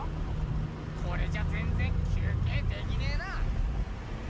これじゃぜんぜん休けいできねえな。